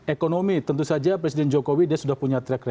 ekonomi tentu saja presiden jokowi dia sudah punya track reco